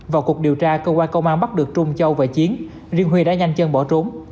vào cuộc điều tra công an bắt được trung châu và chiến riêng huy đã nhanh chân bỏ trốn